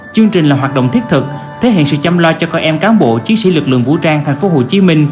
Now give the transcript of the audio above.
chương trình là hoạt động thiết thực thể hiện sự chăm lo cho con em cán bộ chiến sĩ lực lượng vũ trang tp hcm